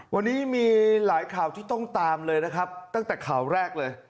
วันนี้มีหลายข่าวที่ต้องตามเลยนะครับตั้งแต่ข่าวแรกเลย